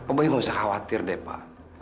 oh baik gak usah khawatir pak